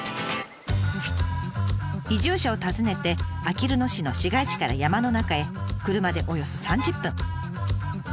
移住者を訪ねてあきる野市の市街地から山の中へ車でおよそ３０分。